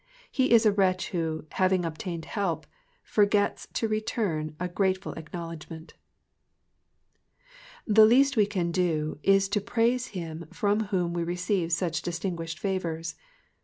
He is a wretch who, having obtained help, forgets to return a grateful acknowledgment. The least we can do is to praise him from whom we receive such distinguished favours.